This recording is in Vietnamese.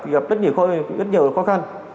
gặp rất nhiều khó khăn